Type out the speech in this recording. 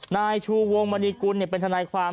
นายชูวงมณีกุลเป็นทนายความ